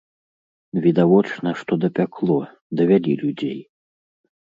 Відавочна, што дапякло, давялі людзей.